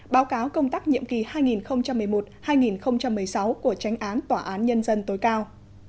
báo cáo công tác nhiệm kỳ hai nghìn một mươi một hai nghìn một mươi sáu của tranh án tòa án nhân dân tối cao